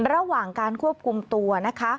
ระหว่างการควบคุมตัวนะคะ